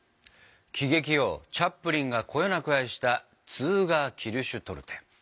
喜劇王チャップリンがこよなく愛したツーガー・キルシュトルテ。